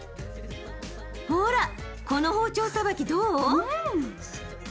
ほらこの包丁さばきどう？